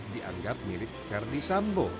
dianggap milik ferdi sambo